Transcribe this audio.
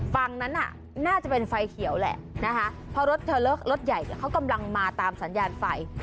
ฝั่งนั้นน่ะน่าจะเป็นไฟเขียวแหละนะคะเพราะรถเทอร์เลอร์รถใหญ่เขากำลังมาตามสัญญาณไฟ